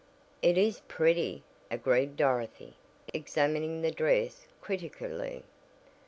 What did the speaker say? "It is pretty," agreed Dorothy, examining the dress critically.